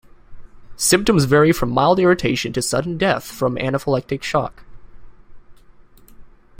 Symptoms vary from mild irritation to sudden death from anaphylactic shock.